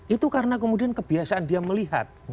itu karena kemudian kebiasaan dia melihat